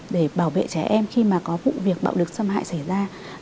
để bảo vệ trẻ em khi mà có vụ việc bạo lực xâm hại xảy ra